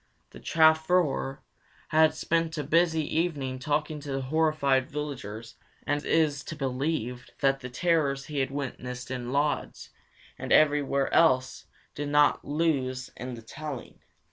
The chauffeur had spent a busy evening talking to the horrified villagers and it is to be believed that the terrors he had witnessed in Lodz and elsewhere did not lose in the telling.